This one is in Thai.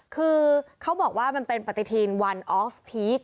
คือเขาบอกว่ามันเป็นปฏิทินวันออฟพีค